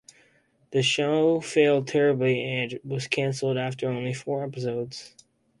The show failed terribly and was cancelled after only four episodes.